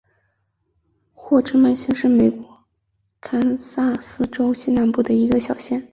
霍治曼县是美国堪萨斯州西南部的一个县。